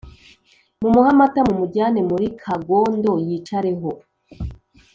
mumuhe amata, mumujyane muri kagondo yicareho